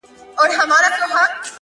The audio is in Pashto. بيا تس ته سپكاوى كوي بدرنگه ككــرۍ’